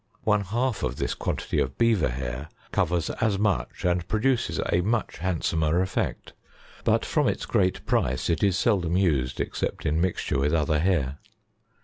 One half of this quantity of Beaver hair covers as much, and produces a much handsomer effect ; but from its great price, it is seldom used except in mixture with other hair.